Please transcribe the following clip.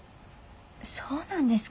そうなんですか？